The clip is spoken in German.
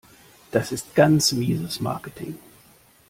Das ist ganz mieses Marketing.